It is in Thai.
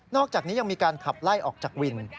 อกจากนี้ยังมีการขับไล่ออกจากวิน